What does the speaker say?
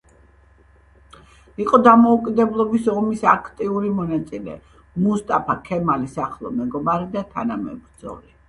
იყო დამოუკიდებლობის ომის აქტიური მონაწილე, მუსტაფა ქემალის ახლო მეგობარი და თანამებრძოლი.